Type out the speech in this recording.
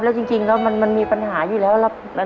แล้วจริงก็มันมีปัญหาอยู่แล้วครับ